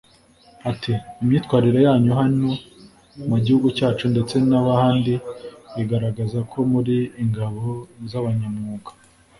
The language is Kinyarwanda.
Ati “Imyitwarire yanyu hano mu gihugu cyacu ndetse n’ahandi igaragaza ko muri ingabo z’abanyamwuga